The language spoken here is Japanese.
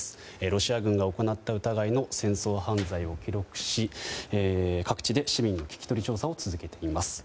ロシア軍が行った疑いの戦争犯罪を記録し各地で市民に聞き取り調査を続けています。